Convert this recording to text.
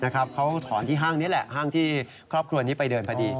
เขาถอนที่ห้างนี้แหละห้างที่ครอบครัวนี้ไปเดินพอดี